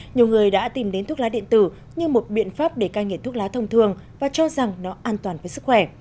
nhiều người đã tìm đến thuốc lá điện tử như một biện pháp để cai nghiện thuốc lá thông thường và cho rằng nó an toàn với sức khỏe